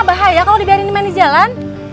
bahaya kalo dibiarin dimain di jalan